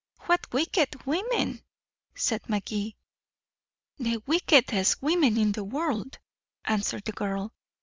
"What wicked women!" said Magee. "The wickedest women in the world," answered the girl.